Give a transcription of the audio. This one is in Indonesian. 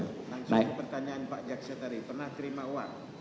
langsung pertanyaan pak jaksa tadi pernah terima uang